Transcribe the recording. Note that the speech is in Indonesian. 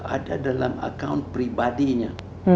ada dalam akun pribadinya